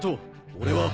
俺は。